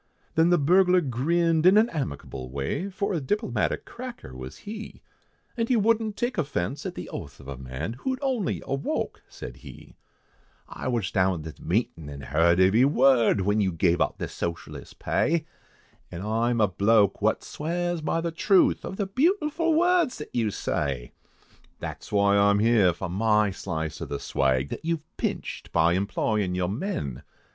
Then the burglar grinned in an amicable way, For a diplomatic cracker was he, And he wouldn't take offence at the oath of a man, Who had only awoke, said he, "I was down at the meetin' an' heerd every word, When you gave out the socialist pay, An' I am a bloke wot swears by the truth Of the beautiful words that you say. That's whoy I am here, for my slice of the swag, That you've pinched, by employin' your men.